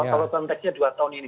kalau konteksnya dua tahun ini